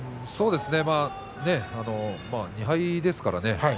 そうですね。２敗ですからね。